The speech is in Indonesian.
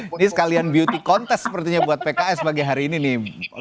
ini sekalian beauty contest sepertinya buat pks bagi hari ini nih